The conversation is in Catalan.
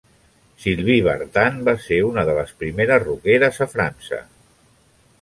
Sylvie Vartan va ser una de les primeres rockeres a França.